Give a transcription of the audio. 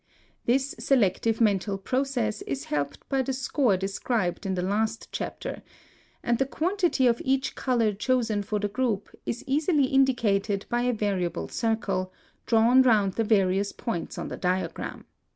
(173) This selective mental process is helped by the score described in the last chapter; and the quantity of each color chosen for the group is easily indicated by a variable circle, drawn round the various points on the diagram.